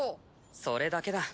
それだけだ。